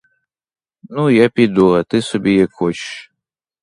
Ну, я піду, а ти собі як хочеш.